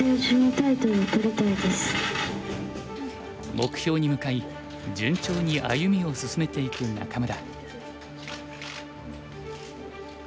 目標に向かい順調に歩みを進めていく仲邑。